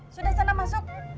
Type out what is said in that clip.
sudah sana masuk